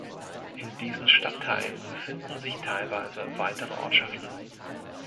In diesen Stadtteilen befinden sich teilweise weitere Ortschaften.